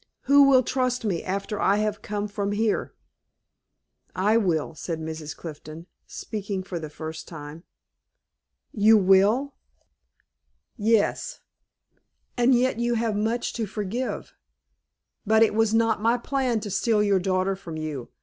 "Who will trust me after I have come from here?" "I will," said Mrs. Clifton, speaking for the first time. "You will?" "Yes." "And yet you have much to forgive. But it was not my plan to steal your daughter from you.